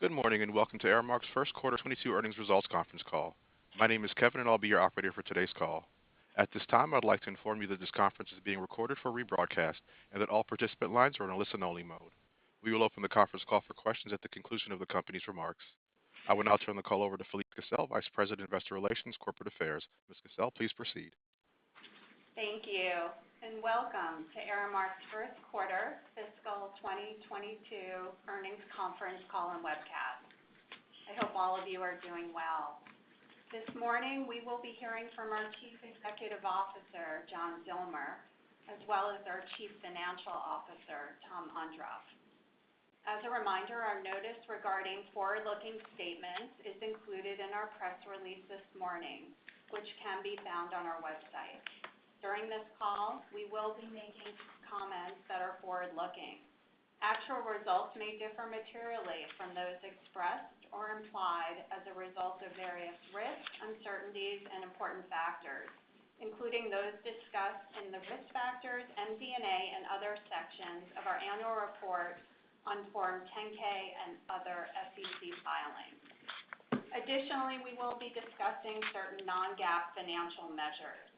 Good morning, and welcome to Aramark's Q1 2022 earnings results conference call. My name is Kevin, and I'll be your operator for today's call. At this time, I'd like to inform you that this conference is being recorded for rebroadcast, and that all participant lines are in a listen only mode. We will open the conference call for questions at the conclusion of the company's remarks. I will now turn the call over to Felise Kissell, Vice President of Investor Relations and Corporate Affairs. Ms. Kissell, please proceed. Thank you, and welcome to Aramark's Q1 fiscal 2022 earnings conference call and webcast. I hope all of you are doing well. This morning, we will be hearing from our Chief Executive Officer, John Zillmer, as well as our Chief Financial Officer, Tom Ondrof. As a reminder, our notice regarding forward-looking statements is included in our press release this morning, which can be found on our website. During this call, we will be making comments that are forward-looking. Actual results may differ materially from those expressed or implied as a result of various risks, uncertainties, and important factors, including those discussed in the Risk Factors, MD&A, and other sections of our annual report on Form 10-K and other SEC filings. Additionally, we will be discussing certain non-GAAP financial measures.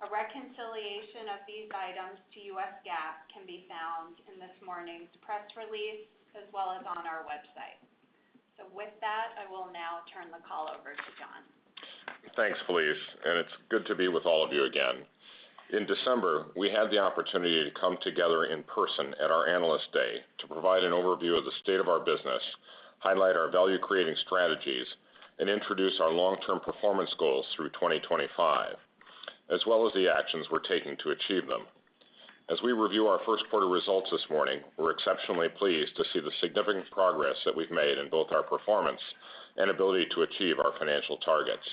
A reconciliation of these items to U.S. GAAP can be found in this morning's press release, as well as on our website. With that, I will now turn the call over to John. Thanks, Felise, and it's good to be with all of you again. In December, we had the opportunity to come together in person at our Analyst Day to provide an overview of the state of our business, highlight our value-creating strategies, and introduce our long-term performance goals through 2025, as well as the actions we're taking to achieve them. As we review our Q1 results this morning, we're exceptionally pleased to see the significant progress that we've made in both our performance and ability to achieve our financial targets.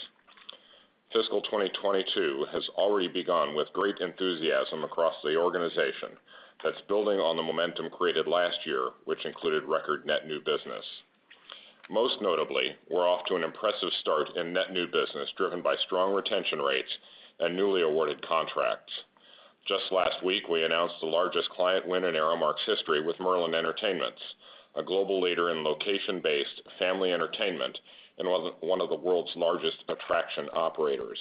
Fiscal 2022 has already begun with great enthusiasm across the organization that's building on the momentum created last year, which included record net new business. Most notably, we're off to an impressive start in net new business, driven by strong retention rates and newly awarded contracts. Just last week, we announced the largest client win in Aramark's history with Merlin Entertainments, a global leader in location-based family entertainment, and one of the world's largest attraction operators.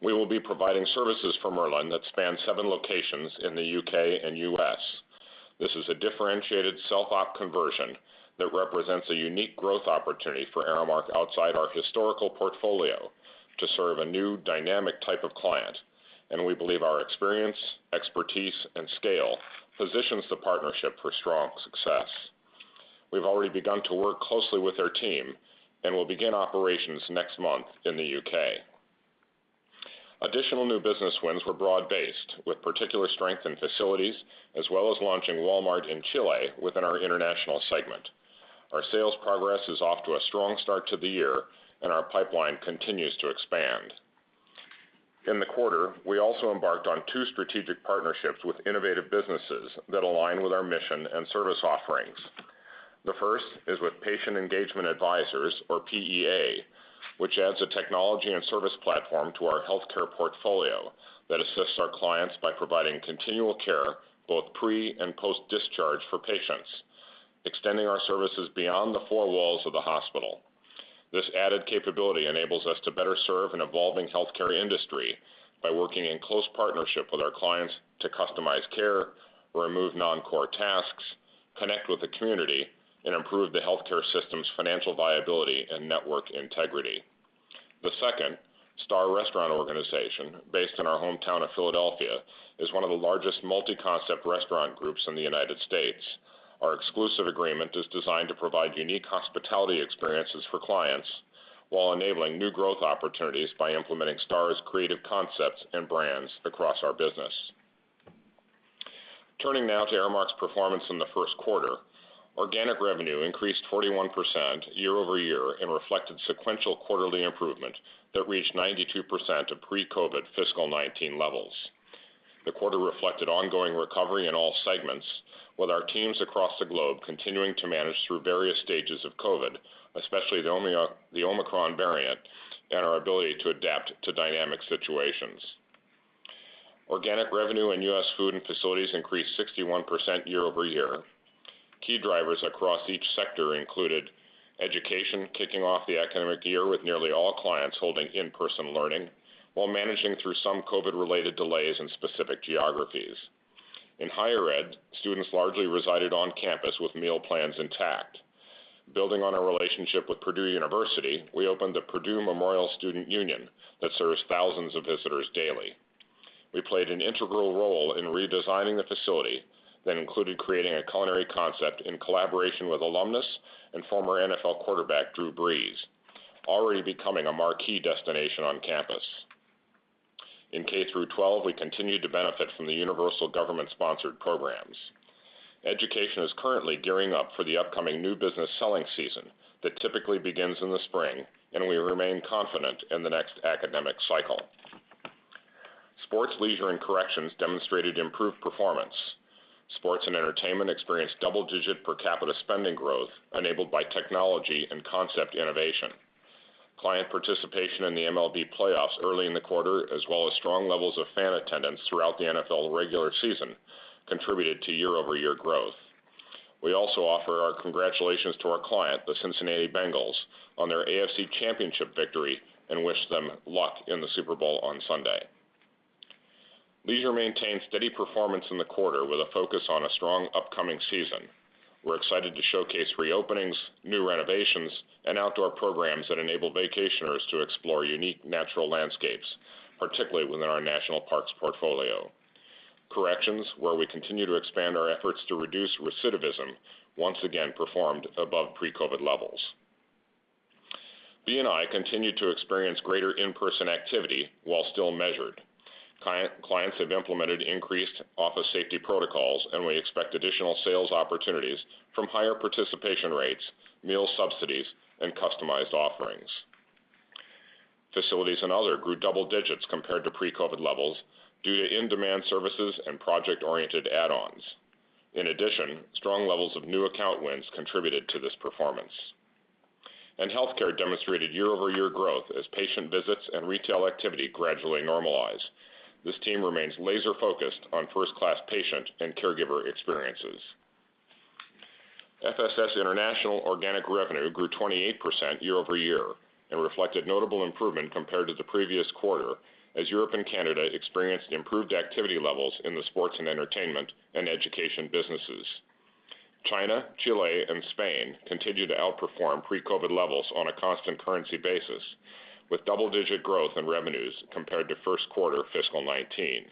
We will be providing services for Merlin that span seven locations in the U.K. and U.S. This is a differentiated self-op conversion that represents a unique growth opportunity for Aramark outside our historical portfolio to serve a new dynamic type of client, and we believe our experience, expertise, and scale positions the partnership for strong success. We've already begun to work closely with their team, and we'll begin operations next month in the U.K. Additional new business wins were broad-based with particular strength in facilities, as well as launching Walmart in Chile within our International segment. Our sales progress is off to a strong start to the year, and our pipeline continues to expand. In the quarter, we also embarked on two strategic partnerships with innovative businesses that align with our mission and service offerings. The first is with Patient Engagement Advisors, or PEA, which adds a technology and service platform to our healthcare portfolio that assists our clients by providing continual care, both pre and post-discharge for patients, extending our services beyond the four walls of the hospital. This added capability enables us to better serve an evolving healthcare industry by working in close partnership with our clients to customize care, remove non-core tasks, connect with the community, and improve the healthcare system's financial viability and network integrity. The second, STARR Restaurant Organization, based in our hometown of Philadelphia, is one of the largest multi-concept restaurant groups in the United States. Our exclusive agreement is designed to provide unique hospitality experiences for clients while enabling new growth opportunities by implementing STARR's creative concepts and brands across our business. Turning now to Aramark's performance in the Q1. Organic revenue increased 41% year-over-year and reflected sequential quarterly improvement that reached 92% of pre-COVID fiscal 2019 levels. The quarter reflected ongoing recovery in all segments with our teams across the globe continuing to manage through various stages of COVID, especially the Omicron variant, and our ability to adapt to dynamic situations. Organic revenue in U.S. food and facilities increased 61% year-over-year. Key drivers across each sector included education, kicking off the academic year with nearly all clients holding in-person learning while managing through some COVID-related delays in specific geographies. In higher ed, students largely resided on campus with meal plans intact. Building on our relationship with Purdue University, we opened the Purdue Memorial Student Union that serves thousands of visitors daily. We played an integral role in redesigning the facility that included creating a culinary concept in collaboration with alumnus and former NFL quarterback Drew Brees, already becoming a marquee destination on campus. In K through 12, we continued to benefit from the universal government-sponsored programs. Education is currently gearing up for the upcoming new business selling season that typically begins in the spring, and we remain confident in the next academic cycle. Sports, leisure, and corrections demonstrated improved performance. Sports and entertainment experienced double-digit per capita spending growth enabled by technology and concept innovation. Client participation in the MLB playoffs early in the quarter, as well as strong levels of fan attendance throughout the NFL regular season, contributed to year-over-year growth. We also offer our congratulations to our client, the Cincinnati Bengals, on their AFC Championship victory, and wish them luck in the Super Bowl on Sunday. Leisure maintained steady performance in the quarter with a focus on a strong upcoming season. We're excited to showcase reopenings, new renovations, and outdoor programs that enable vacationers to explore unique natural landscapes, particularly within our National Parks portfolio. Corrections where we continue to expand our efforts to reduce recidivism once again performed above pre-COVID levels. B&I continued to experience greater in-person activity while still measured. Clients have implemented increased office safety protocols, and we expect additional sales opportunities from higher participation rates, meal subsidies, and customized offerings. Facilities and other grew double-digit compared to pre-COVID levels due to in-demand services and project-oriented add-ons. In addition, strong levels of new account wins contributed to this performance. Healthcare demonstrated year-over-year growth as patient visits and retail activity gradually normalized. This team remains laser-focused on first-class patient and caregiver experiences. FSS International organic revenue grew 28% year-over-year, and reflected notable improvement compared to the previous quarter, as Europe and Canada experienced improved activity levels in the sports and entertainment and education businesses. China, Chile, and Spain continue to outperform pre-COVID levels on a constant currency basis, with double-digit growth in revenues compared to Q1 fiscal 2019.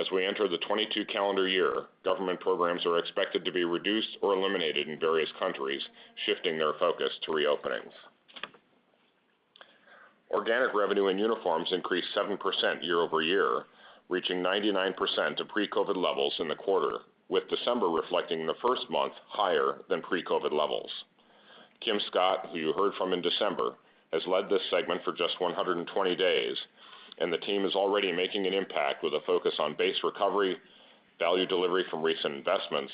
As we enter the 2022 calendar year, government programs are expected to be reduced or eliminated in various countries, shifting their focus to reopenings. Organic revenue in uniforms increased 7% year-over-year, reaching 99% of pre-COVID levels in the quarter, with December reflecting the first month higher than pre-COVID levels. Kim Scott, who you heard from in December, has led this segment for just 120 days, and the team is already making an impact with a focus on base recovery, value delivery from recent investments,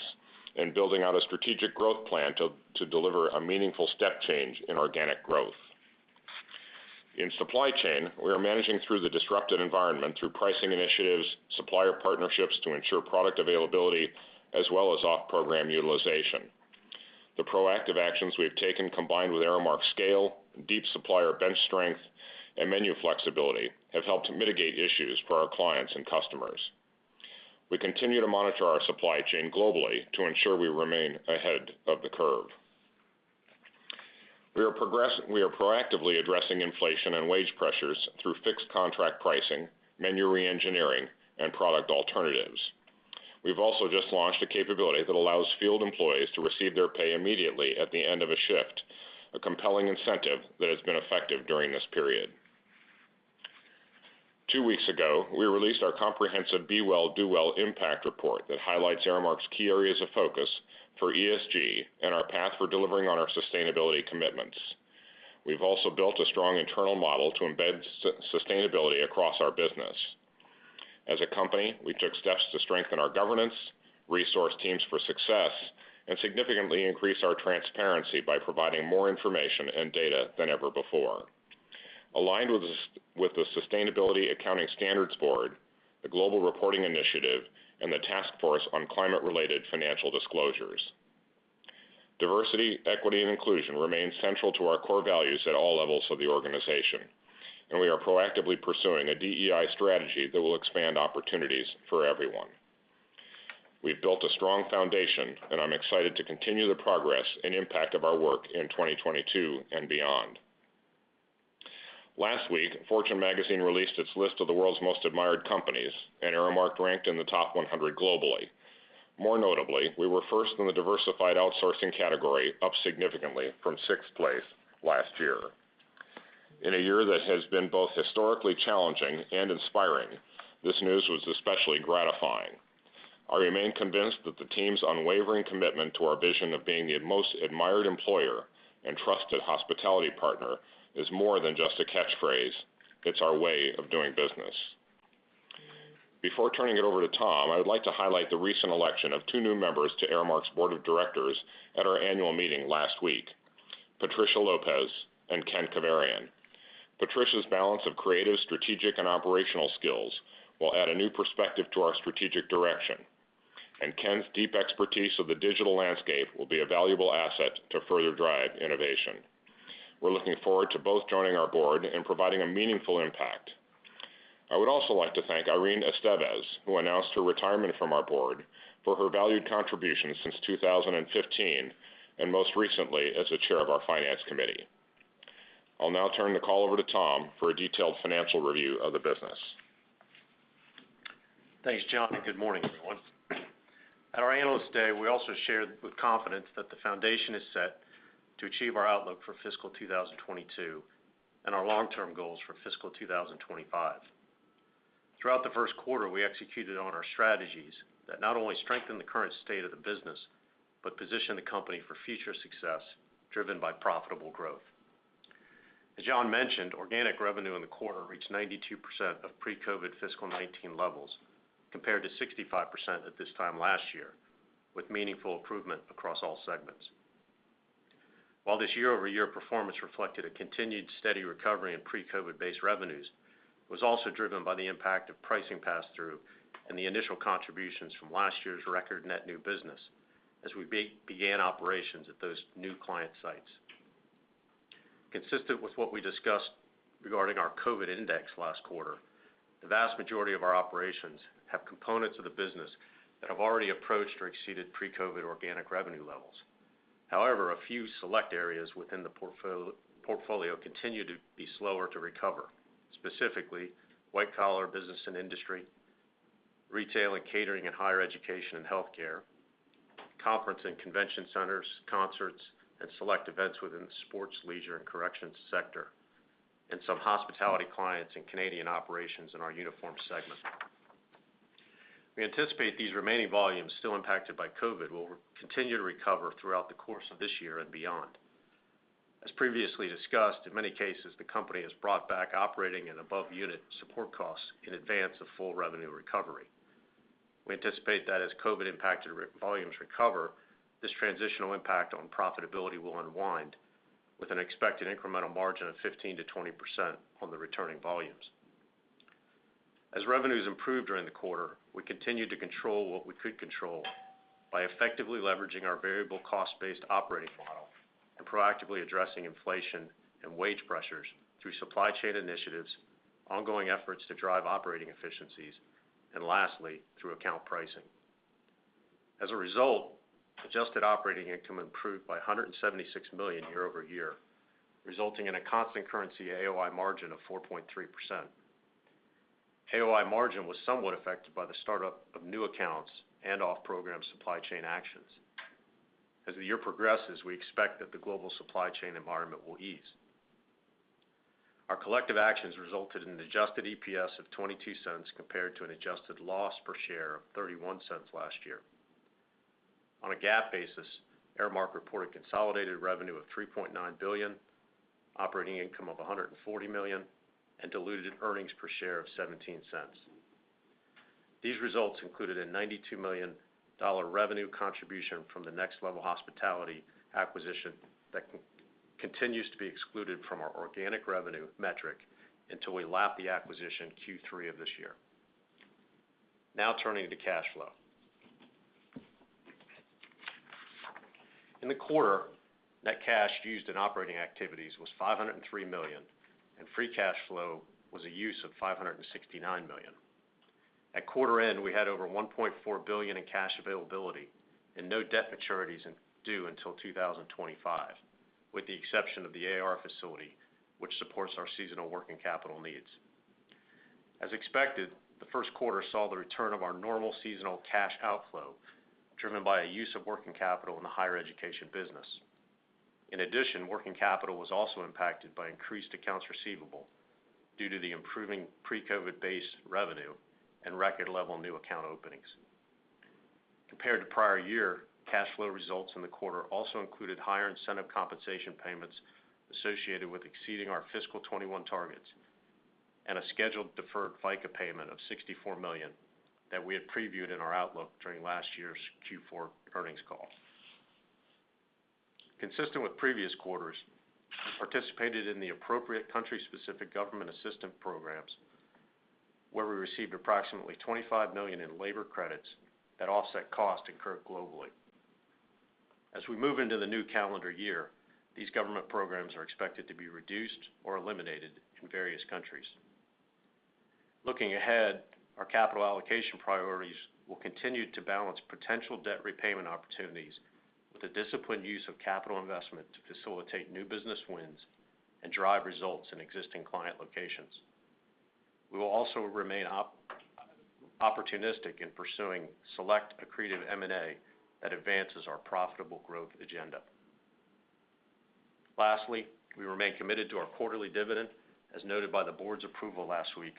and building out a strategic growth plan to deliver a meaningful step change in organic growth. In supply chain, we are managing through the disruptive environment through pricing initiatives, supplier partnerships to ensure product availability, as well as off-program utilization. The proactive actions we have taken, combined with Aramark's scale, deep supplier bench strength, and menu flexibility, have helped mitigate issues for our clients and customers. We continue to monitor our supply chain globally to ensure we remain ahead of the curve. We are proactively addressing inflation and wage pressures through fixed contract pricing, menu reengineering, and product alternatives. We've also just launched a capability that allows field employees to receive their pay immediately at the end of a shift, a compelling incentive that has been effective during this period. Two weeks ago, we released our comprehensive Be Well. Do Well impact report that highlights Aramark's key areas of focus for ESG and our path for delivering on our sustainability commitments. We've also built a strong internal model to embed sustainability across our business. As a company, we took steps to strengthen our governance, resource teams for success, and significantly increase our transparency by providing more information and data than ever before, aligned with the Sustainability Accounting Standards Board, the Global Reporting Initiative, and the Task Force on Climate-related Financial Disclosures. Diversity, equity, and inclusion remain central to our core values at all levels of the organization, and we are proactively pursuing a DEI strategy that will expand opportunities for everyone. We've built a strong foundation, and I'm excited to continue the progress and impact of our work in 2022 and beyond. Last week, Fortune magazine released its list of the world's most admired companies, and Aramark ranked in the top 100 globally. More notably, we were first in the diversified outsourcing category, up significantly from sixth place last year. In a year that has been both historically challenging and inspiring, this news was especially gratifying. I remain convinced that the team's unwavering commitment to our vision of being the most admired employer and trusted hospitality partner is more than just a catchphrase. It's our way of doing business. Before turning it over to Tom, I would like to highlight the recent election of two new members to Aramark's board of directors at our annual meeting last week: Patricia Lopez and Ken Keverian. Patricia's balance of creative, strategic, and operational skills will add a new perspective to our strategic direction, and Ken's deep expertise of the digital landscape will be a valuable asset to further drive innovation. We're looking forward to both joining our board and providing a meaningful impact. I would also like to thank Irene Esteves, who announced her retirement from our board, for her valued contributions since 2015, and most recently as the chair of our finance committee. I'll now turn the call over to Tom for a detailed financial review of the business. Thanks, John, and good morning, everyone. At our Analyst Day, we also shared with confidence that the foundation is set to achieve our outlook for fiscal 2022 and our long-term goals for fiscal 2025. Throughout the Q1, we executed on our strategies that not only strengthen the current state of the business but position the company for future success driven by profitable growth. As John mentioned, organic revenue in the quarter reached 92% of pre-COVID fiscal 2019 levels, compared to 65% at this time last year. With meaningful improvement across all segments. While this year-over-year performance reflected a continued steady recovery in pre-COVID base revenues, was also driven by the impact of pricing pass through and the initial contributions from last year's record net new business as we began operations at those new client sites. Consistent with what we discussed regarding our COVID index last quarter, the vast majority of our operations have components of the business that have already approached or exceeded pre-COVID organic revenue levels. However, a few select areas within the portfolio continue to be slower to recover, specifically white-collar business and industry, retail and catering, and higher education and healthcare, conference and convention centers, concerts, and select events within the sports, leisure, and corrections sector, and some hospitality clients and Canadian operations in our Uniform segment. We anticipate these remaining volumes still impacted by COVID will continue to recover throughout the course of this year and beyond. As previously discussed, in many cases, the company has brought back operating and above unit support costs in advance of full revenue recovery. We anticipate that as COVID-impacted revenue volumes recover, this transitional impact on profitability will unwind with an expected incremental margin of 15%-20% on the returning volumes. As revenues improved during the quarter, we continued to control what we could control by effectively leveraging our variable cost-based operating model and proactively addressing inflation and wage pressures through supply chain initiatives, ongoing efforts to drive operating efficiencies, and lastly, through account pricing. As a result, adjusted operating income improved by $176 million year-over-year, resulting in a constant currency AOI margin of 4.3%. AOI margin was somewhat affected by the start of new accounts and off-program supply chain actions. As the year progresses, we expect that the global supply chain environment will ease. Our collective actions resulted in an adjusted EPS of $0.22 compared to an adjusted loss per share of $0.31 last year. On a GAAP basis, Aramark reported consolidated revenue of $3.9 billion, operating income of $140 million, and diluted earnings per share of $0.17. These results included a $92 million revenue contribution from the Next Level Hospitality acquisition that continues to be excluded from our organic revenue metric until we lap the acquisition Q3 of this year. Now turning to cash flow. In the quarter, net cash used in operating activities was $503 million, and free cash flow was a use of $569 million. At quarter end, we had over $1.4 billion in cash availability and no debt maturities due until 2025, with the exception of the AR facility, which supports our seasonal working capital needs. As expected, the Q1 saw the return of our normal seasonal cash outflow, driven by a use of working capital in the higher education business. In addition, working capital was also impacted by increased accounts receivable due to the improving pre-COVID base revenue and record-level new account openings. Compared to prior year, cash flow results in the quarter also included higher incentive compensation payments associated with exceeding our fiscal 2021 targets and a scheduled deferred FICA payment of $64 million that we had previewed in our outlook during last year's Q4 earnings call. Consistent with previous quarters, we participated in the appropriate country-specific government assistance programs where we received approximately $25 million in labor credits that offset costs incurred globally. As we move into the new calendar year, these government programs are expected to be reduced or eliminated in various countries. Looking ahead, our capital allocation priorities will continue to balance potential debt repayment opportunities with a disciplined use of capital investment to facilitate new business wins and drive results in existing client locations. We will also remain opportunistic in pursuing select accretive M&A that advances our profitable growth agenda. Lastly, we remain committed to our quarterly dividend, as noted by the board's approval last week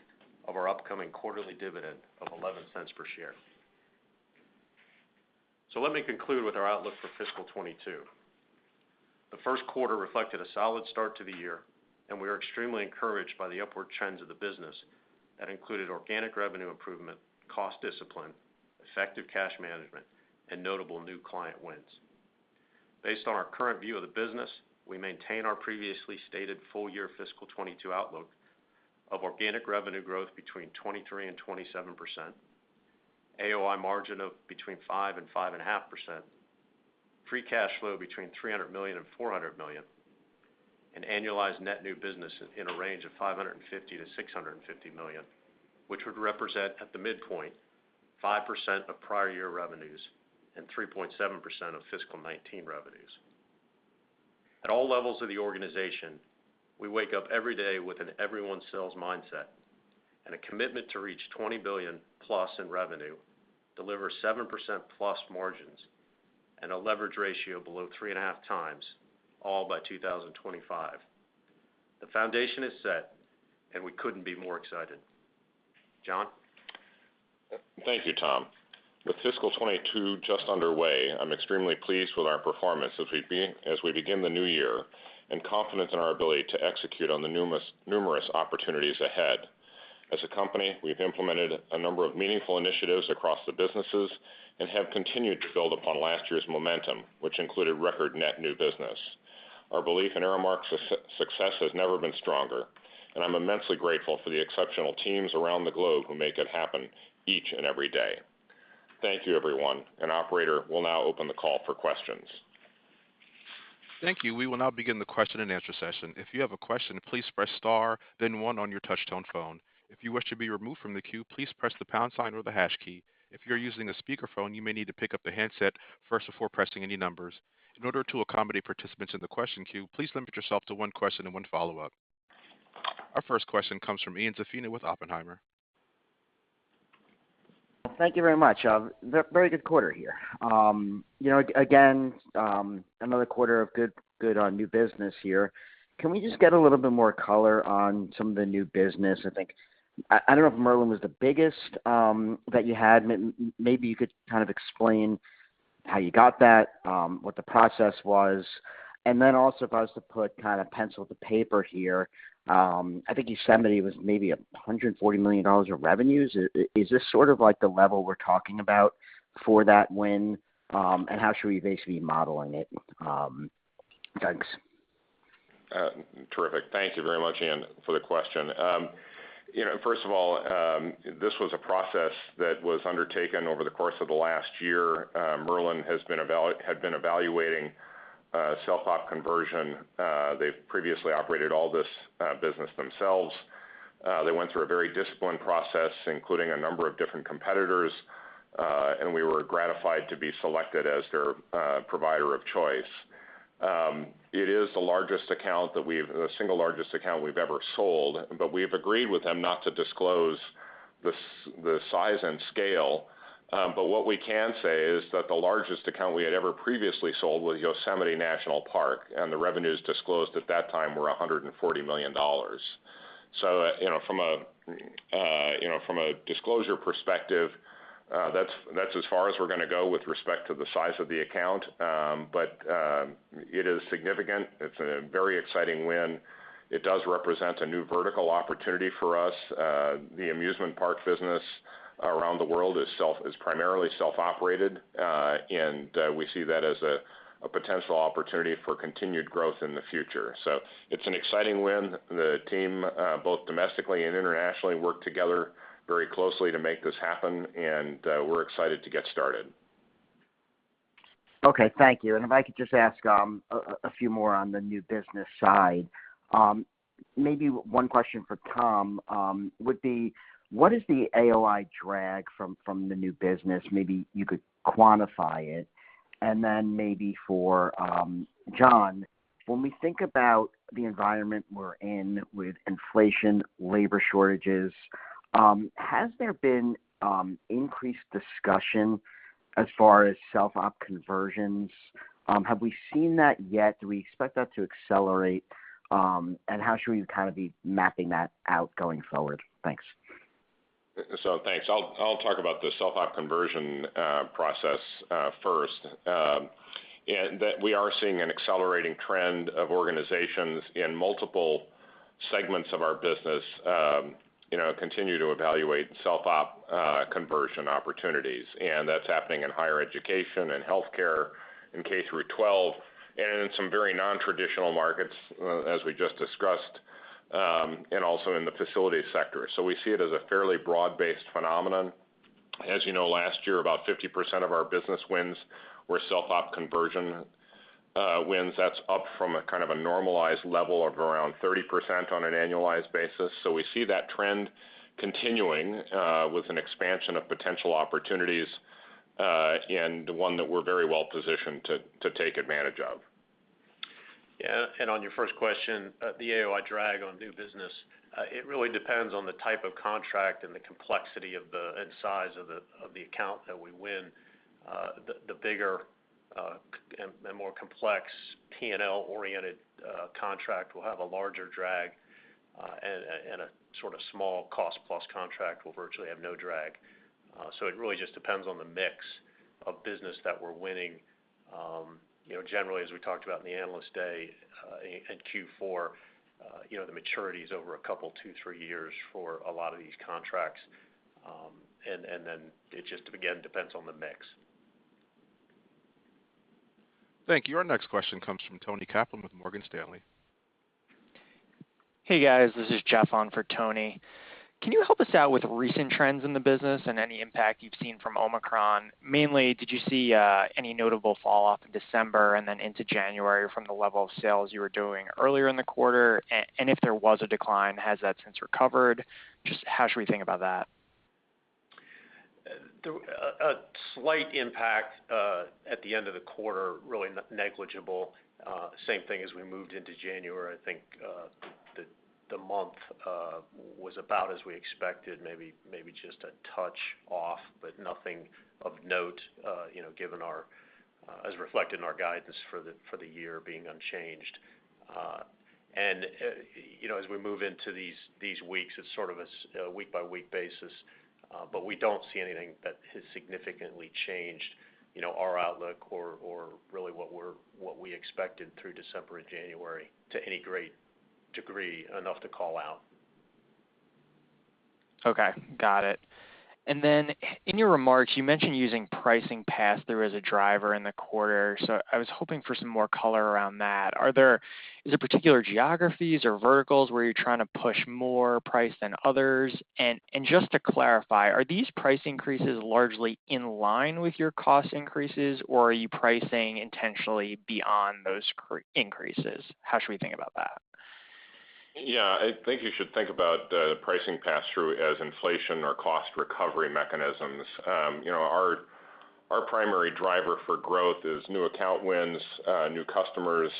of our upcoming quarterly dividend of $0.11 per share. Let me conclude with our outlook for fiscal 2022. The Q1 reflected a solid start to the year, and we are extremely encouraged by the upward trends of the business that included organic revenue improvement, cost discipline, effective cash management, and notable new client wins. Based on our current view of the business, we maintain our previously stated full year fiscal 2022 outlook of organic revenue growth between 23%-27%, AOI margin of between 5%-5.5%, free cash flow between $300 million-$400 million, and annualized net new business in a range of $550 million-$650 million, which would represent, at the midpoint, 5% of prior year revenues and 3.7% of fiscal 2019 revenues. At all levels of the organization, we wake up every day with an everyone sales mindset and a commitment to reach $20 billion+ in revenue, deliver 7%+ margins, and a leverage ratio below 3.5x, all by 2025. The foundation is set, and we couldn't be more excited. John? Thank you, Tom. With fiscal 2022 just underway, I'm extremely pleased with our performance as we begin the new year, and confident in our ability to execute on the numerous opportunities ahead. As a company, we've implemented a number of meaningful initiatives across the businesses and have continued to build upon last year's momentum, which included record net new business. Our belief in Aramark's success has never been stronger, and I'm immensely grateful for the exceptional teams around the globe who make it happen each and every day. Thank you, everyone. Operator, we'll now open the call for questions. Thank you. We will now begin the question-and-answer session. If you have a question, please press star then one on your touchtone phone. If you wish to be removed from the queue, please press the pound sign or the hash key. If you're using a speakerphone, you may need to pick up the handset first before pressing any numbers. In order to accommodate participants in the question queue, please limit yourself to one question and one follow-up. Our first question comes from Ian Zaffino with Oppenheimer. Thank you very much. A very good quarter here. You know, again, another quarter of good on new business here. Can we just get a little bit more color on some of the new business? I think I don't know if Merlin was the biggest that you had. Maybe you could kind of explain how you got that, what the process was. Then also if I was to put kind of pencil to paper here, I think Yosemite was maybe $140 million of revenues. Is this sort of like the level we're talking about for that win? How should we basically be modeling it, thanks. Terrific. Thank you very much, Ian, for the question. You know, first of all, this was a process that was undertaken over the course of the last year. Merlin had been evaluating self-op conversion. They've previously operated all this business themselves. They went through a very disciplined process, including a number of different competitors, and we were gratified to be selected as their provider of choice. It is the single largest account we've ever sold, but we have agreed with them not to disclose the size and scale. What we can say is that the largest account we had ever previously sold was Yosemite National Park, and the revenues disclosed at that time were $140 million. You know, from a disclosure perspective, that's as far as we're going to go with respect to the size of the account. But it is significant. It's a very exciting win. It does represent a new vertical opportunity for us. The amusement park business around the world is primarily self-operated. We see that as a potential opportunity for continued growth in the future. It's an exciting win. The team both domestically and internationally worked together very closely to make this happen, and we're excited to get started. Okay, thank you. If I could just ask a few more on the new business side. Maybe one question for Tom would be what is the AOI drag from the new business. Maybe you could quantify it. Then maybe for John, when we think about the environment we're in with inflation, labor shortages, has there been increased discussion as far as self-op conversions. Have we seen that yet? Do we expect that to accelerate? How should we kind of be mapping that out going forward? Thanks. Thanks. I'll talk about the self-op conversion process first. That we are seeing an accelerating trend of organizations in multiple segments of our business, you know, continue to evaluate self-op conversion opportunities. That's happening in higher education and healthcare in K-12, and in some very non-traditional markets, as we just discussed, and also in the facility sector. We see it as a fairly broad-based phenomenon. As you know, last year, about 50% of our business wins were self-op conversion wins. That's up from a kind of a normalized level of around 30% on an annualized basis. We see that trend continuing, with an expansion of potential opportunities, and one that we're very well positioned to take advantage of. Yeah. On your first question, the AOI drag on new business, it really depends on the type of contract and the complexity and size of the account that we win. The bigger and more complex P&L-oriented contract will have a larger drag, and a sort of small cost plus contract will virtually have no drag. It really just depends on the mix of business that we're winning. You know, generally, as we talked about in the Analyst Day, in Q4, you know, the maturity is over a couple, two, three years for a lot of these contracts. It just, again, depends on the mix. Thank you. Our next question comes from Toni Kaplan with Morgan Stanley. Hey, guys. This is Jeff on for Toni. Can you help us out with recent trends in the business and any impact you've seen from Omicron? Mainly, did you see any notable fall off in December and then into January from the level of sales you were doing earlier in the quarter? And if there was a decline, has that since recovered? Just how should we think about that? A slight impact at the end of the quarter, really negligible. Same thing as we moved into January. I think the month was about as we expected, maybe just a touch off, but nothing of note, you know, as reflected in our guidance for the year being unchanged. You know, as we move into these weeks, it's sort of a week-by-week basis, but we don't see anything that has significantly changed our outlook or really what we expected through December and January to any great degree enough to call out. Okay. Got it. In your remarks, you mentioned using pricing pass-through as a driver in the quarter. I was hoping for some more color around that. Is there particular geographies or verticals where you're trying to push more price than others? And just to clarify, are these price increases largely in line with your cost increases, or are you pricing intentionally beyond those cost increases? How should we think about that? Yeah. I think you should think about the pricing pass-through as inflation or cost recovery mechanisms. You know, our primary driver for growth is new account wins, new customers,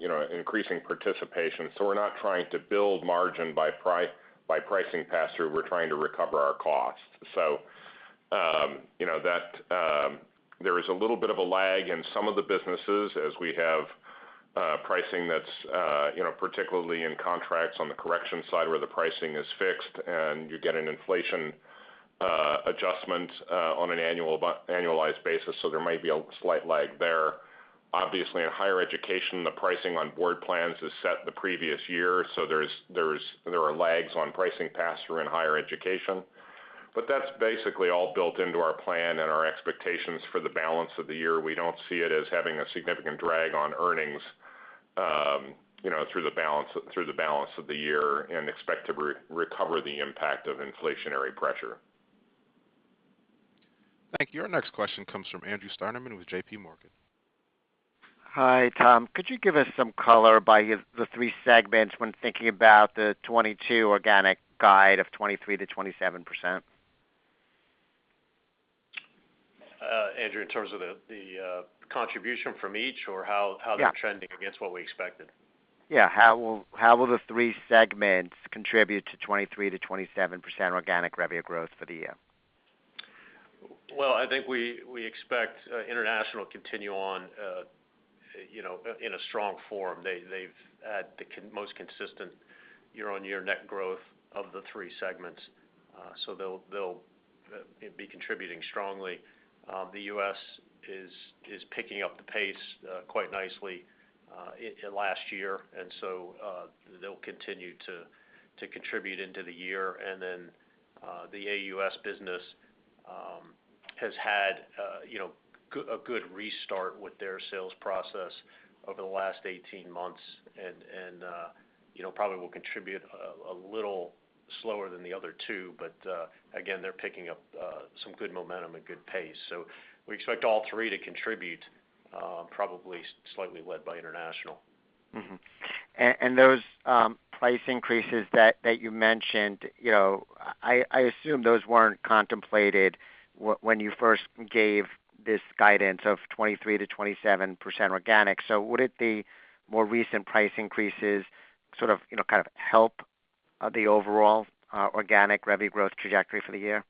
you know, increasing participation. We're not trying to build margin by pricing pass-through. We're trying to recover our costs. You know, that there is a little bit of a lag in some of the businesses as we have pricing that's you know, particularly in contracts on the corrections side where the pricing is fixed and you get an inflation adjustment on an annualized basis. There might be a slight lag there. Obviously, in higher education, the pricing on board plans is set the previous year. There's there are lags on pricing pass-through in higher education. That's basically all built into our plan and our expectations for the balance of the year. We don't see it as having a significant drag on earnings, you know, through the balance of the year and expect to recover the impact of inflationary pressure. Thank you. Our next question comes from Andrew Steinerman with JPMorgan. Hi, Tom. Could you give us some color on the three segments when thinking about the 2022 organic guide of 23%-27%? Andrew, in terms of the contribution from each, or how Yeah how they're trending against what we expected? Yeah. How will the three segments contribute to 23%-27% organic revenue growth for the year? Well, I think we expect international to continue on, you know, in a strong form. They've had the most consistent year-over-year net growth of the three segments. So they'll be contributing strongly. The U.S. is picking up the pace quite nicely in last year. They'll continue to contribute into the year. The AUS business has had you know, a good restart with their sales process over the last 18 months and, probably will contribute a little slower than the other two. Again, they're picking up some good momentum and good pace. We expect all three to contribute, probably slightly led by international. Those price increases that you mentioned, you know, I assume those weren't contemplated when you first gave this guidance of 23%-27% organic. Would it be more recent price increases sort of, you know, kind of help the overall organic revenue growth trajectory for the year?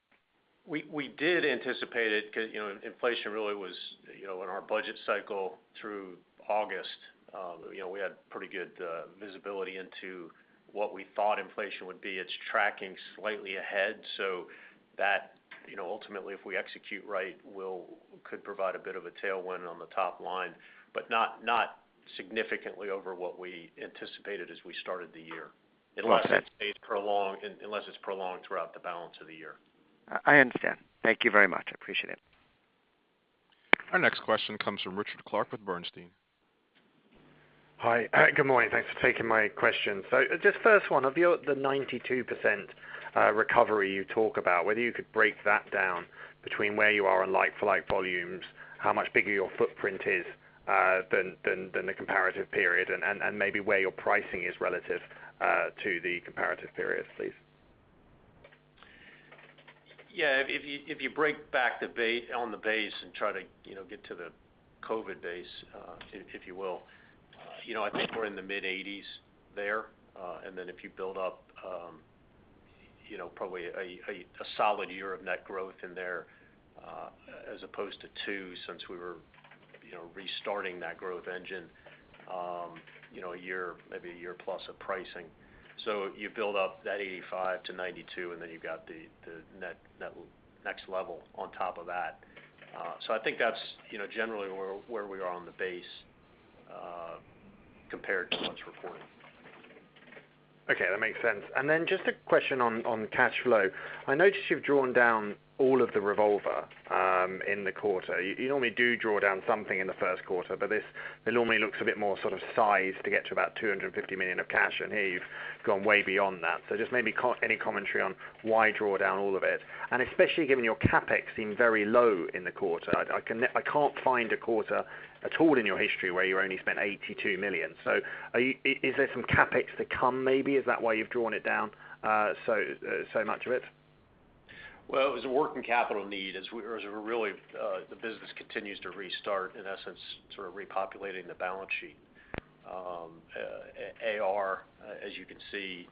We did anticipate it 'cause, you know, inflation really was, you know, in our budget cycle through August. You know, we had pretty good visibility into what we thought inflation would be. It's tracking slightly ahead, so that, you know, ultimately, if we execute right, could provide a bit of a tailwind on the top line, but not significantly over what we anticipated as we started the year. Okay. Unless it's prolonged throughout the balance of the year. I understand. Thank you very much. I appreciate it. Our next question comes from Richard Clarke with Bernstein. Hi. Good morning. Thanks for taking my question. Just first one, of the 92% recovery you talk about, whether you could break that down between where you are on like-for-like volumes, how much bigger your footprint is than the comparative period, and maybe where your pricing is relative to the comparative period, please. Yeah. If you break back on the base and try to, you know, get to the COVID base, if you will, you know, I think we're in the mid-80s there. If you build up, you know, probably a solid year of net growth in there, as opposed to two, since we were, you know, restarting that growth engine, you know, a year, maybe a year plus of pricing. You build up that 85-92, and then you've got the net Next Level on top of that. I think that's, you know, generally where we are on the base, compared to what's reported. Okay. That makes sense. Just a question on cash flow. I notice you've drawn down all of the revolver in the quarter. You normally do draw down something in the Q1, but this it normally looks a bit more sort of sized to get to about $250 million of cash, and here you've gone way beyond that. Just maybe any commentary on why draw down all of it, and especially given your CapEx seemed very low in the quarter. I can't find a quarter at all in your history where you only spent $82 million. Is there some CapEx to come maybe? Is that why you've drawn it down so much of it? Well, it was a working capital need as we're really the business continues to restart, in essence, sort of repopulating the balance sheet. AR, as you can see,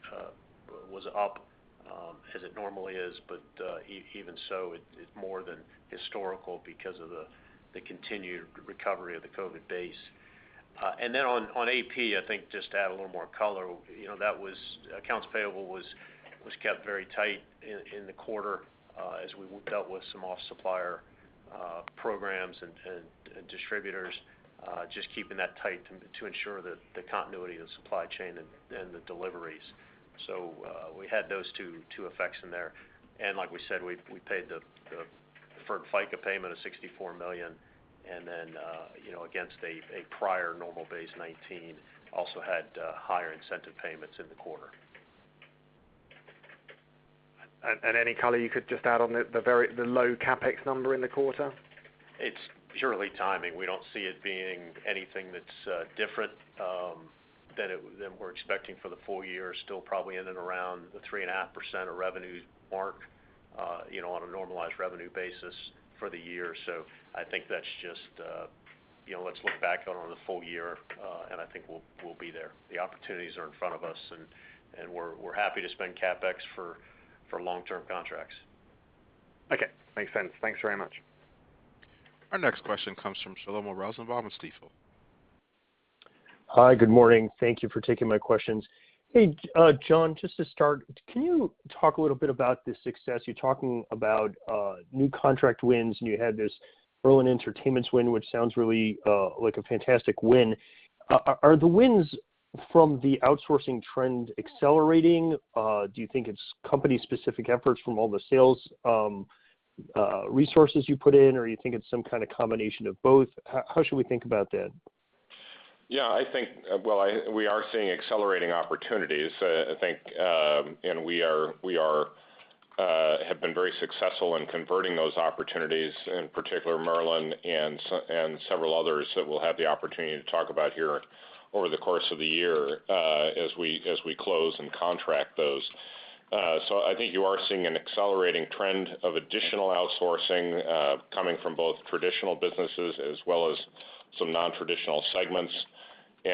was up, as it normally is, but even so, it's more than historical because of the continued recovery of the COVID base. And then on AP, I think just to add a little more color, you know, that was accounts payable kept very tight in the quarter, as we dealt with some supplier programs and distributors, just keeping that tight to ensure the continuity of the supply chain and the deliveries. We had those two effects in there. Like we said, we paid the deferred FICA payment of $64 million and then, you know, against a prior normal base 19 also had higher incentive payments in the quarter. Any color you could just add on the very low CapEx number in the quarter? It's purely timing. We don't see it being anything that's different than we're expecting for the full year. Still probably ending around the 3.5% of revenues mark, you know, on a normalized revenue basis for the year. I think that's just, you know, let's look back on the full year, and I think we'll be there. The opportunities are in front of us, and we're happy to spend CapEx for long-term contracts. Okay. Makes sense. Thanks very much. Our next question comes from Shlomo Rosenbaum of Stifel. Hi. Good morning. Thank you for taking my questions. Hey, John, just to start, can you talk a little bit about the success? You're talking about new contract wins, and you had this Merlin Entertainments win, which sounds really like a fantastic win. Are the wins from the outsourcing trend accelerating? Do you think it's company-specific efforts from all the sales resources you put in, or you think it's some kind of combination of both? How should we think about that? Yeah, I think, well, we are seeing accelerating opportunities. I think and we have been very successful in converting those opportunities, in particular Merlin and several others that we'll have the opportunity to talk about here over the course of the year, as we close and contract those. I think you are seeing an accelerating trend of additional outsourcing coming from both traditional businesses as well as some non-traditional segments. You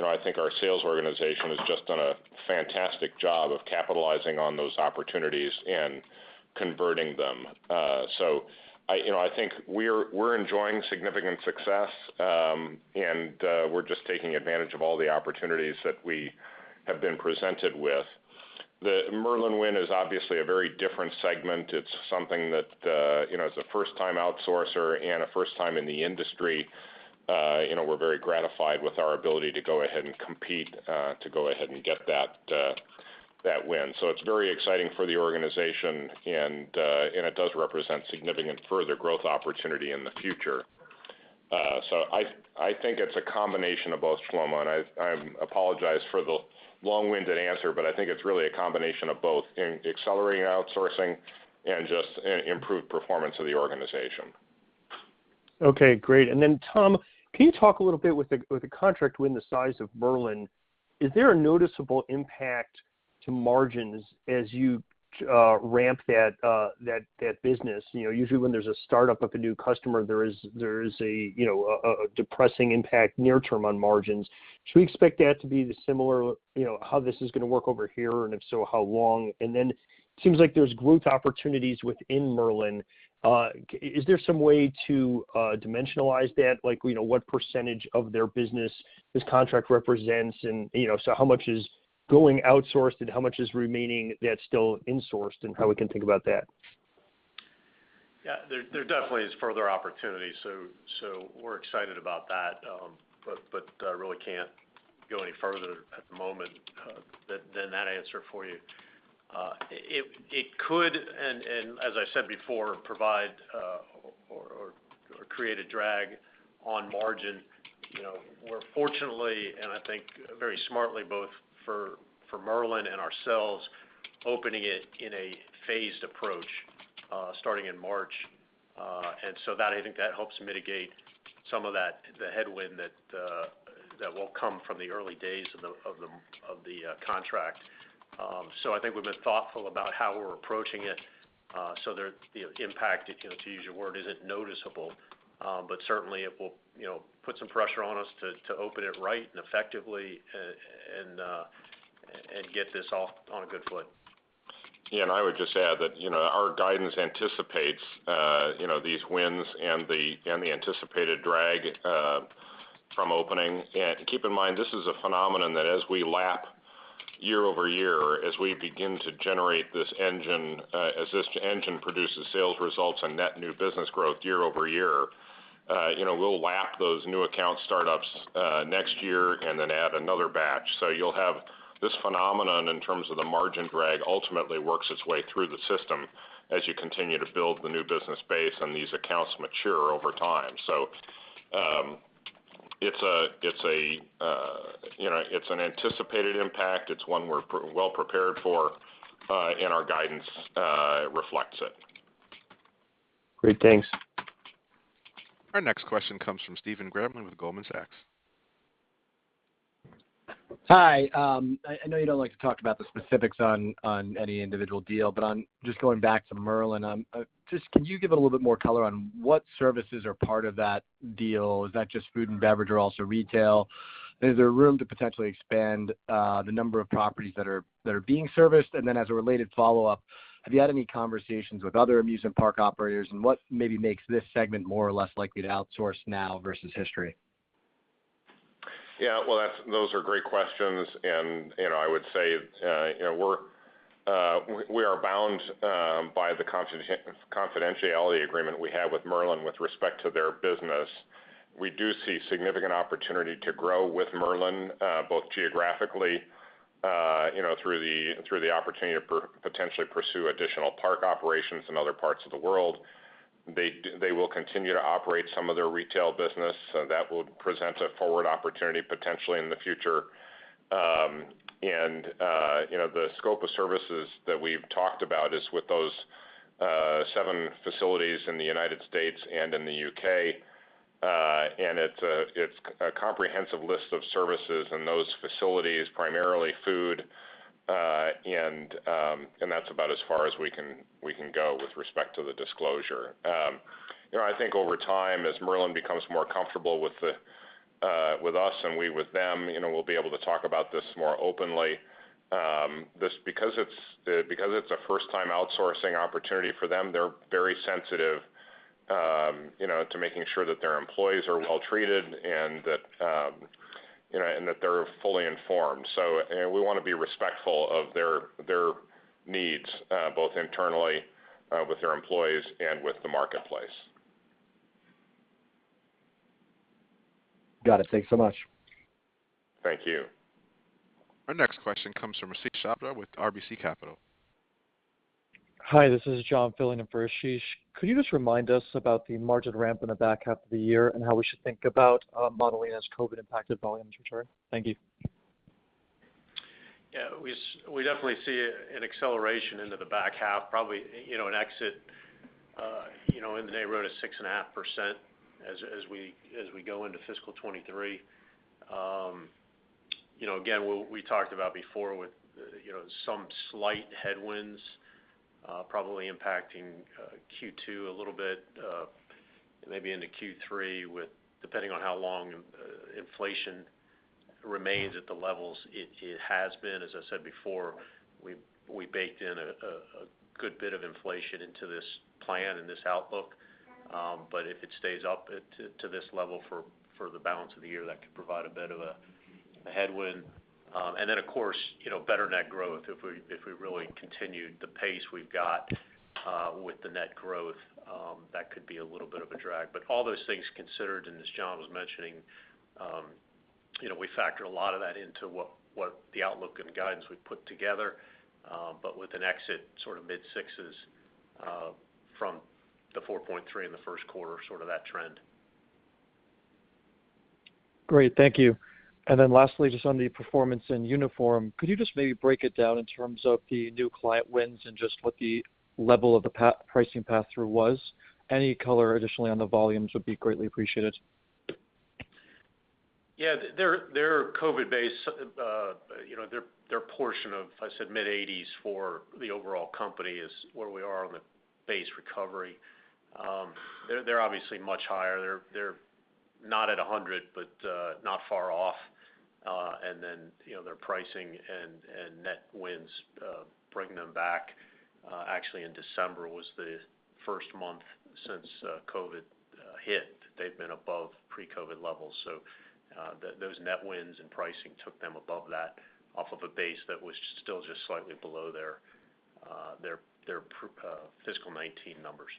know, I think our sales organization has just done a fantastic job of capitalizing on those opportunities and converting them. You know, I think we're enjoying significant success, and we're just taking advantage of all the opportunities that we have been presented with. The Merlin win is obviously a very different segment. It's something that, you know, as a first-time outsourcer and a first time in the industry, you know, we're very gratified with our ability to go ahead and compete, to go ahead and get that win. It's very exciting for the organization and it does represent significant further growth opportunity in the future. I think it's a combination of both, Shlomo, and I apologize for the long-winded answer, but I think it's really a combination of both in accelerating outsourcing and just an improved performance of the organization. Okay, great. Tom, can you talk a little bit with the contract win the size of Merlin, is there a noticeable impact to margins as you ramp that business? You know, usually when there's a startup of a new customer, there is a depressing impact near term on margins. Should we expect that to be the similar, you know, how this is gonna work over here, and if so, how long? It seems like there's growth opportunities within Merlin. Is there some way to dimensionalize that? Like, you know, what percentage of their business this contract represents and, you know, so how much is going outsourced and how much is remaining that's still insourced and how we can think about that? Yeah. There definitely is further opportunities, so we're excited about that. I really can't go any further at the moment than that answer for you. It could and as I said before provide or create a drag on margin. You know, we're fortunate and I think very smartly both for Merlin and ourselves opening it in a phased approach starting in March. That I think helps mitigate some of that headwind that will come from the early days of the contract. I think we've been thoughtful about how we're approaching it so the impact you know to use your word isn't noticeable. Certainly it will, you know, put some pressure on us to open it right and effectively and get this off on a good foot. Yeah. I would just add that, you know, our guidance anticipates these wins and the anticipated drag from opening. Keep in mind, this is a phenomenon that as we lap year-over-year, as we begin to generate this engine, as this engine produces sales results and net new business growth year-over-year, you know, we'll lap those new account startups next year and then add another batch. You'll have this phenomenon in terms of the margin drag ultimately works its way through the system as you continue to build the new business base and these accounts mature over time. It's a, you know, it's an anticipated impact. It's one we're well prepared for, and our guidance reflects it. Great. Thanks. Our next question comes from Stephen Grambling with Goldman Sachs. Hi. I know you don't like to talk about the specifics on any individual deal, but just going back to Merlin, just can you give a little bit more color on what services are part of that deal? Is that just food and beverage or also retail? Is there room to potentially expand the number of properties that are being serviced? As a related follow-up, have you had any conversations with other amusement park operators, and what maybe makes this segment more or less likely to outsource now versus history? Yeah. Well, those are great questions. You know, I would say, you know, we are bound by the confidentiality agreement we have with Merlin with respect to their business. We do see significant opportunity to grow with Merlin, both geographically, you know, through the opportunity to potentially pursue additional park operations in other parts of the world. They will continue to operate some of their retail business, so that will present a forward opportunity potentially in the future. You know, the scope of services that we've talked about is with those seven facilities in the United States and in the U.K. It's a comprehensive list of services in those facilities, primarily food. That's about as far as we can go with respect to the disclosure. You know, I think over time, as Merlin becomes more comfortable with us and we with them, you know, we'll be able to talk about this more openly because it's a first-time outsourcing opportunity for them, they're very sensitive, you know, to making sure that their employees are well treated, and that they're fully informed. We want to be respectful of their needs, both internally, with their employees and with the marketplace. Got it. Thank you so much. Thank you. Our next question comes from Ashish Sabadra with RBC Capital. Hi, this is John filling in for Ashish. Could you just remind us about the margin ramp in the back half of the year and how we should think about modeling as COVID impacted volumes return? Thank you. Yeah. We definitely see an acceleration into the back half, probably, you know, an exit, you know, in the neighborhood of 6.5% as we go into fiscal 2023. You know, again, we talked about before with, you know, some slight headwinds, probably impacting Q2 a little bit, maybe into Q3 with depending on how long inflation remains at the levels it has been. As I said before, we baked in a good bit of inflation into this plan and this outlook. If it stays up at to this level for the balance of the year, that could provide a bit of a headwind. Of course, you know, better net growth if we really continued the pace we've got with the net growth, that could be a little bit of a drag. All those things considered, as John was mentioned, you know, we factor a lot of that into what the outlook and guidance we've put together. With an exit sort of mid-6% from the 4.3% in the Q1, sort of that trend. Great. Thank you. Lastly, just on the performance in uniform. Could you just maybe break it down in terms of the new client wins and just what the level of the pricing path through was? Any color additionally on the volumes would be greatly appreciated. Yeah. They're COVID base. You know, their portion of, I said mid-80s% for the overall company is where we are on the base recovery. They're obviously much higher. They're not at 100%, but not far off. You know, their pricing and net wins bring them back. Actually, in December was the first month since COVID hit. They've been above pre-COVID levels. Those net wins and pricing took them above that off of a base that was still just slightly below their fiscal 2019 numbers.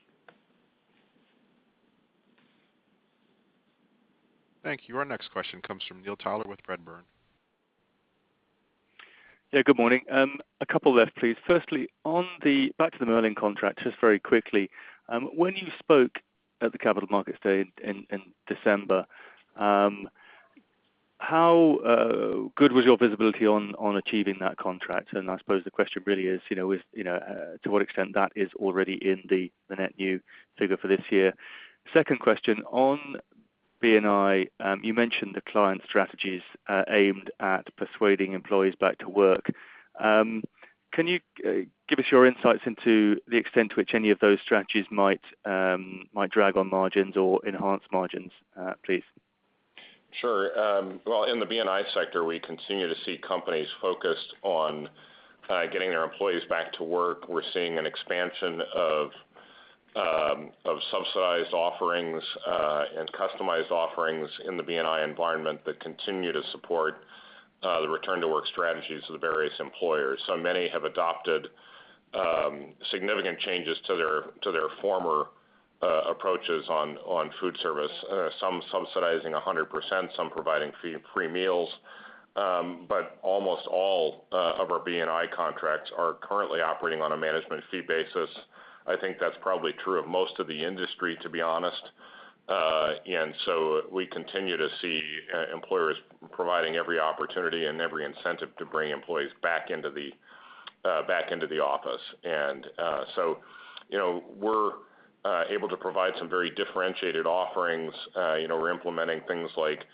Thank you. Our next question comes from Neil Tyler with Redburn. Good morning. A couple left, please. Firstly, back to the Merlin contract, just very quickly. When you spoke at the Capital Markets Day in December, how good was your visibility on achieving that contract? And I suppose the question really is, you know, to what extent that is already in the net new figure for this year. Second question, on B&I, you mentioned the client strategies aimed at persuading employees back to work. Can you give us your insights into the extent to which any of those strategies might drag on margins or enhance margins, please? Sure. Well, in the B&I sector, we continue to see companies focused on getting their employees back to work. We're seeing an expansion of subsidized offerings and customized offerings in the B&I environment that continue to support the return to work strategies of the various employers. So many have adopted significant changes to their former approaches on food service, some subsidizing 100%, some providing free meals. Almost all of our B&I contracts are currently operating on a management fee basis. I think that's probably true of most of the industry, to be honest. We continue to see employers providing every opportunity and every incentive to bring employees back into the office. You know, we're able to provide some very differentiated offerings. You know, we're implementing things like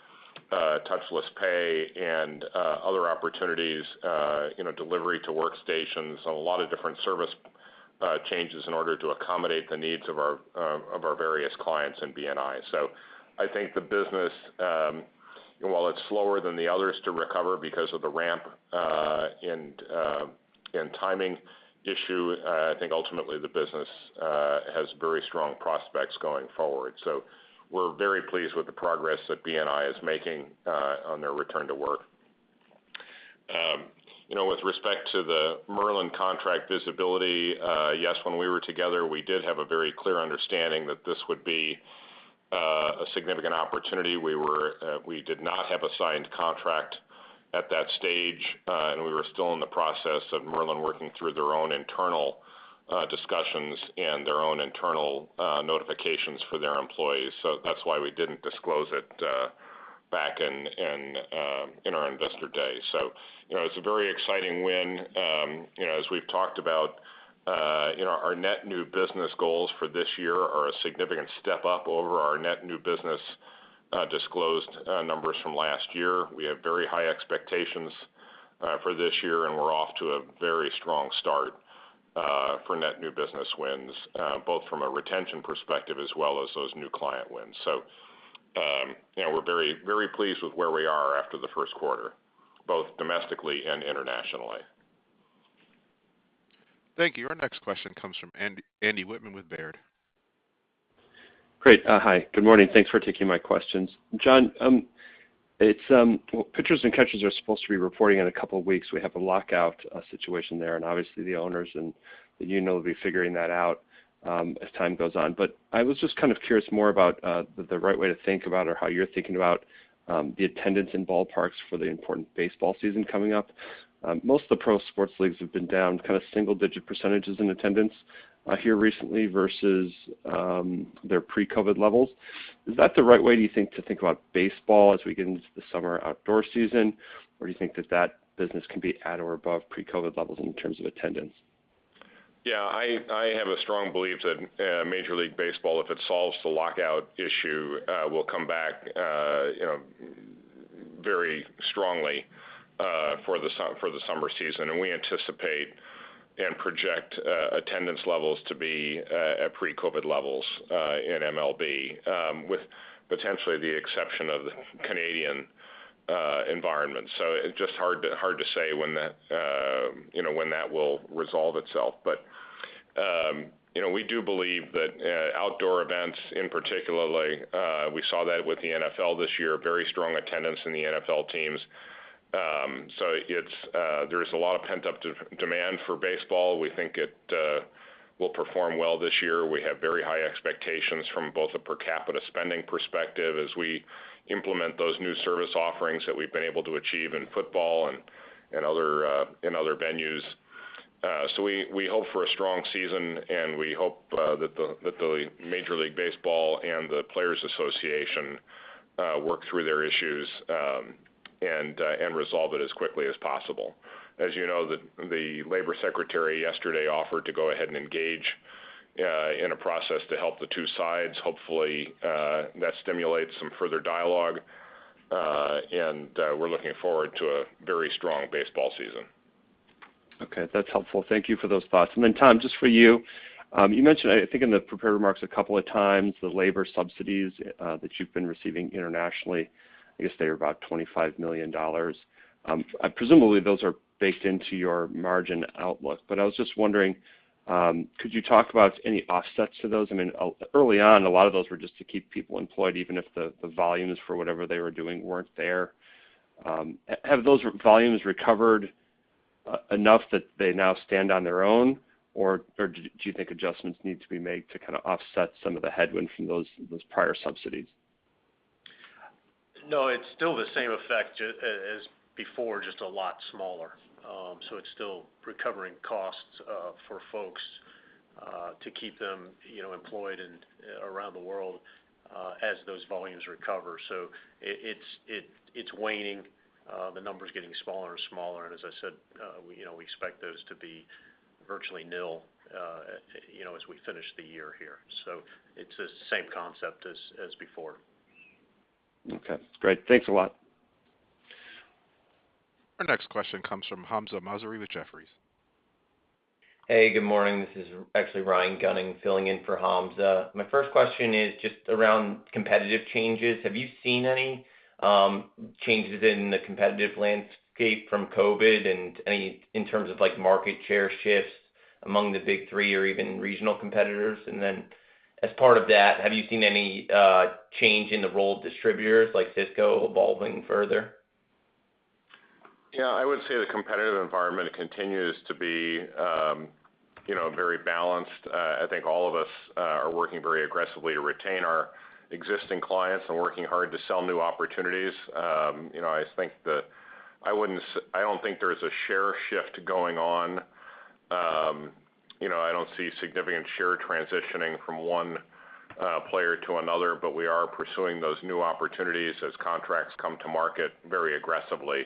touchless pay and other opportunities, you know, delivery to workstations and a lot of different service changes in order to accommodate the needs of our various clients in B&I. I think the business, while it's slower than the others to recover because of the ramp and timing issue, I think ultimately the business has very strong prospects going forward. We're very pleased with the progress that B&I is making on their return to work. You know, with respect to the Merlin contract visibility, yes, when we were together, we did have a very clear understanding that this would be a significant opportunity. We did not have a signed contract at that stage, and we were still in the process of Merlin working through their own internal discussions and their own internal notifications for their employees. That's why we didn't disclose it back in our Investor Day. You know, it's a very exciting win. You know, as we've talked about, you know, our net new business goals for this year are a significant step up over our net new business disclosed numbers from last year. We have very high expectations for this year, and we're off to a very strong start for net new business wins, both from a retention perspective as well as those new client wins. you know, we're very, very pleased with where we are after the Q1, both domestically and internationally. Thank you. Our next question comes from Andrew Wittmann with Baird. Great. Hi, good morning. Thanks for taking my questions. John, well, pitchers and catchers are supposed to be reporting in a couple of weeks. We have a lockout situation there, and obviously the owners and the union will be figuring that out as time goes on. I was just kind of curious more about the right way to think about or how you're thinking about the attendance in ballparks for the important baseball season coming up. Most of the pro sports leagues have been down kind of single-digit percentages in attendance here recently versus their pre-COVID levels. Is that the right way, do you think, to think about baseball as we get into the summer outdoor season? Do you think that business can be at or above pre-COVID levels in terms of attendance? Yeah, I have a strong belief that Major League Baseball, if it solves the lockout issue, will come back you know very strongly for the summer season. We anticipate and project attendance levels to be at pre-COVID levels in MLB with potentially the exception of the Canadian environment. It's just hard to say when that you know when that will resolve itself. You know, we do believe that outdoor events in particular, we saw that with the NFL this year, very strong attendance in the NFL teams. It's there's a lot of pent-up demand for baseball. We think it will perform well this year. We have very high expectations from both a per capita spending perspective as we implement those new service offerings that we've been able to achieve in football and other venues. We hope for a strong season, and we hope that the Major League Baseball and the Players Association work through their issues and resolve it as quickly as possible. As you know, the labor secretary yesterday offered to go ahead and engage in a process to help the two sides. Hopefully, that stimulates some further dialogue and we're looking forward to a very strong baseball season. Okay, that's helpful. Thank you for those thoughts. Then Tom, just for you mentioned, I think in the prepared remarks a couple of times, the labor subsidies that you've been receiving internationally. I guess they were about $25 million. Presumably, those are baked into your margin outlook. I was just wondering, could you talk about any offsets to those? I mean, early on, a lot of those were just to keep people employed, even if the volumes for whatever they were doing weren't there. Have those volumes recovered enough that they now stand on their own? Or do you think adjustments need to be made to kind of offset some of the headwind from those prior subsidies? No, it's still the same effect just as before, just a lot smaller. It's still recovering costs for folks to keep them, you know, employed and around the world as those volumes recover. It's waning. The number's getting smaller and smaller. As I said, you know, we expect those to be virtually nil, you know, as we finish the year here. It's the same concept as before. Okay, great. Thanks a lot. Our next question comes from Hamzah Mazari with Jefferies. Hey, good morning. This is actually Ryan Gunning filling in for Hamza. My first question is just around competitive changes. Have you seen any changes in the competitive landscape from COVID and any in terms of like market share shifts among the big three or even regional competitors? As part of that, have you seen any change in the role of distributors like Sysco evolving further? Yeah, I would say the competitive environment continues to be, you know, very balanced. I think all of us are working very aggressively to retain our existing clients and working hard to sell new opportunities. You know, I don't think there's a share shift going on. You know, I don't see significant share transitioning from one player to another, but we are pursuing those new opportunities as contracts come to market very aggressively.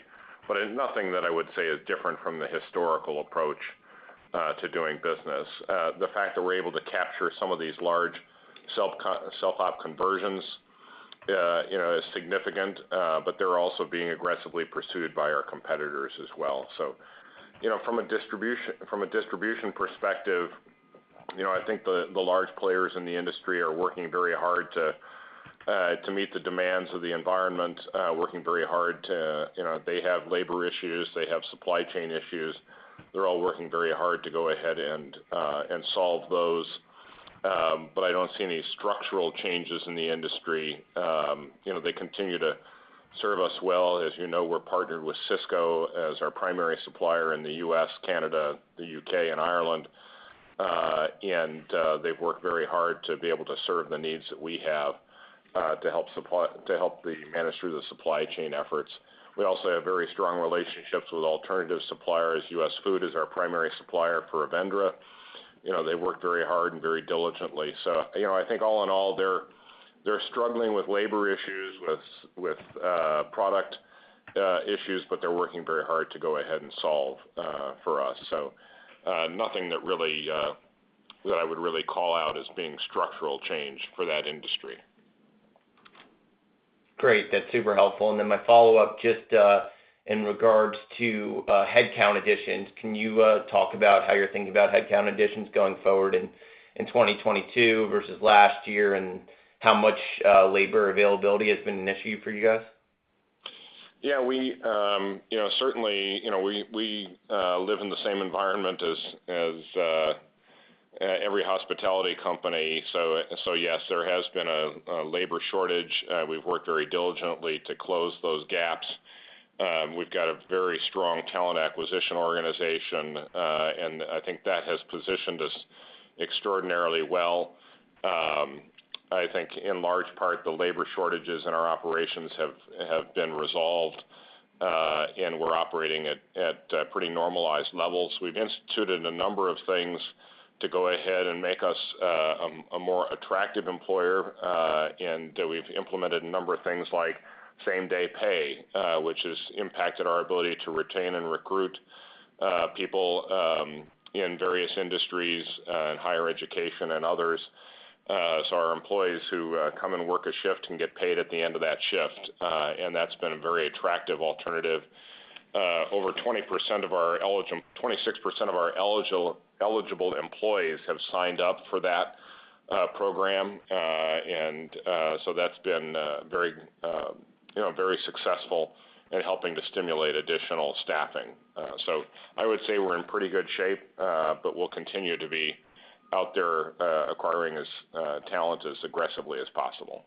Nothing that I would say is different from the historical approach to doing business. The fact that we're able to capture some of these large self-op conversions, you know, is significant, but they're also being aggressively pursued by our competitors as well. You know, from a distribution perspective, you know, I think the large players in the industry are working very hard to meet the demands of the environment, working very hard to you know, they have labor issues, they have supply chain issues. They're all working very hard to go ahead and solve those. But I don't see any structural changes in the industry. You know, they continue to serve us well. As you know, we're partnered with Sysco as our primary supplier in the U.S., Canada, the U.K., and Ireland. And they've worked very hard to be able to serve the needs that we have, to help manage through the supply chain efforts. We also have very strong relationships with alternative suppliers. US Foods is our primary supplier for Avendra. You know, they work very hard and very diligently. You know, I think all in all, they're struggling with labor issues, with product issues, but they're working very hard to go ahead and solve for us. Nothing that really, that I would really call out as being structural change for that industry. Great. That's super helpful. Then my follow-up just in regards to headcount additions, can you talk about how you're thinking about headcount additions going forward in 2022 versus last year, and how much labor availability has been an issue for you guys? Yeah. We, you know, certainly, you know, we live in the same environment as every hospitality company. Yes, there has been a labor shortage. We've worked very diligently to close those gaps. We've got a very strong talent acquisition organization, and I think that has positioned us extraordinarily well. I think in large part, the labor shortages in our operations have been resolved, and we're operating at pretty normalized levels. We've instituted a number of things to go ahead and make us a more attractive employer, and that we've implemented a number of things like same-day pay, which has impacted our ability to retain and recruit people in various industries, in higher education and others. Our employees who come and work a shift can get paid at the end of that shift, and that's been a very attractive alternative. 26% of our eligible employees have signed up for that program. That's been very, you know, very successful in helping to stimulate additional staffing. I would say we're in pretty good shape, but we'll continue to be out there acquiring talent as aggressively as possible.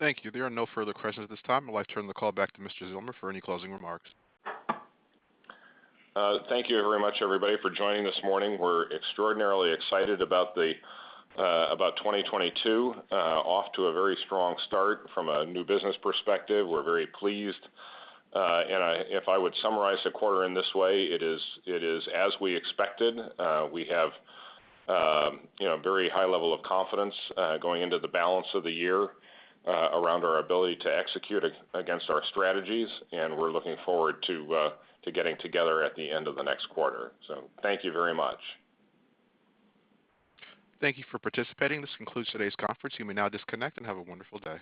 Thank you. There are no further questions at this time. I'd like to turn the call back to Mr. Zillmer for any closing remarks. Thank you very much, everybody, for joining this morning. We're extraordinarily excited about 2022. Off to a very strong start from a new business perspective. We're very pleased. If I would summarize the quarter in this way, it is as we expected. We have you know very high level of confidence going into the balance of the year around our ability to execute against our strategies, and we're looking forward to getting together at the end of the next quarter. Thank you very much. Thank you for participating. This concludes today's conference. You may now disconnect and have a wonderful day.